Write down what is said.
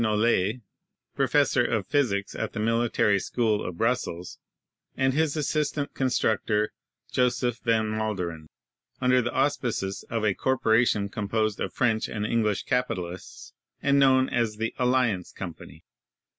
Nollet, Professor of Physics at the Military School of Brussels, and his assist ant constructor, Joseph van Malderen, under the auspices of a corporation composed of French and English capi talists and known as the 'Alliance Company.'